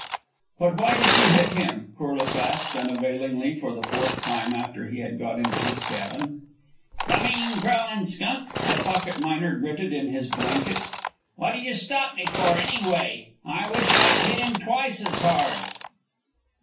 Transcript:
"But why did you hit him?" Corliss asked, unavailingly, for the fourth time after he had got into his cabin. "The mean, crawlin' skunk!" the pocket miner gritted in his blankets. "What'd you stop me for, anyway? I wish I'd hit 'm twice as hard!"